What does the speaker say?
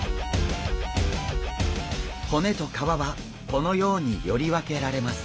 骨と皮はこのようにより分けられます。